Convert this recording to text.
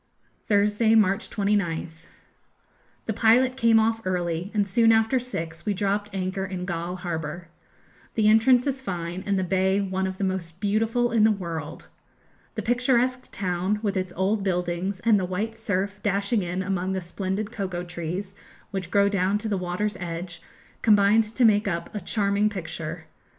Thursday, March 29th. The pilot came off early, and soon after six we dropped anchor in Galle harbour. The entrance is fine, and the bay one of the most beautiful in the world. The picturesque town, with its old buildings, and the white surf dashing in among the splendid cocoa trees which grow down to the water's edge, combined to make up a charming picture.